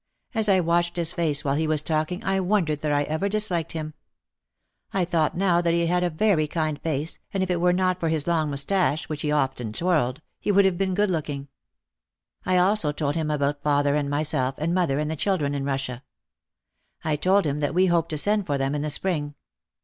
As I watched his face while he was talking I wondered that I ever disliked him. I thought now that he had a very kind face and if it were not for his long moustache which he often twirled, he would have been good looking. I also told him about father and myself and mother and the children in Russia. I told him that we hoped to send for them in the spring.